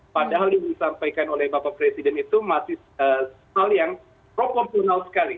padahal yang disampaikan oleh bapak presiden itu masih hal yang proporsional sekali